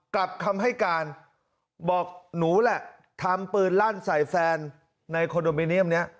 กลับคำให้การบอกหนูแหละทำปืนลั่นใส่แฟนในคอนโดมิเนียมนี้